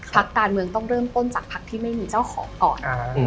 พักการเมืองต้องเริ่มต้นจากพักที่ไม่มีเจ้าของก่อน